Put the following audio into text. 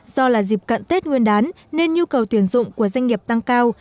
do là dịp cận tết nguyên đán nên nhu cầu tuyển dụng của doanh nghiệp tăng cao